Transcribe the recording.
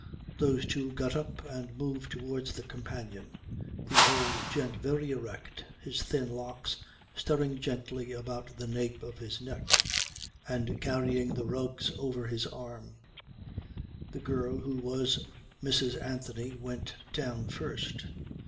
Those two got up and moved towards the companion, the old gent very erect, his thin locks stirring gently about the nape of his neck, and carrying the rugs over his arm. The girl who was Mrs. Anthony went down first.